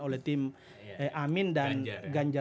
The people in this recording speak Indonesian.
oleh tim amin dan